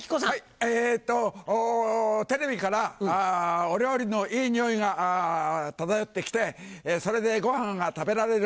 えっとテレビからお料理のいい匂いが漂ってきてそれでごはんが食べられる。